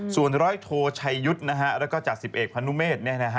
ส่วนร้อยโทชัยยุทธ์แล้วก็จ่าสิบเอกพนุเมฆ